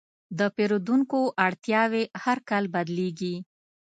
د پیرودونکو اړتیاوې هر کال بدلېږي.